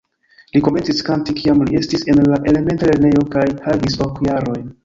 Li komencis kanti kiam li estis en la elementa lernejo kaj havis ok jarojn.